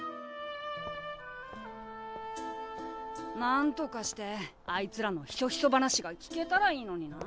なんとかしてあいつらのひそひそ話が聞けたらいいのにな。